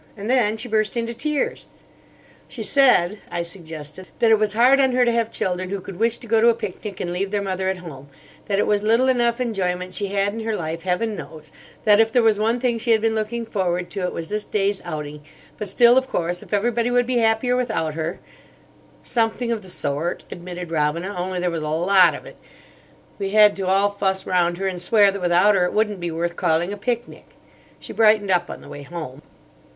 And then she burst into tears." "She said," I suggested, "that it was hard on her to have children who could wish to go to a picnic and leave their mother at home; that it was little enough enjoyment she had in her life, heaven knows; that if there was one thing she had been looking forward to it was this day's outing; but still, of course, if everybody would be happier without her—" "Something of the sort," admitted Robina; "only there was a lot of it. We had to all fuss round her, and swear that without her it wouldn't be worth calling a picnic. She brightened up on the way home."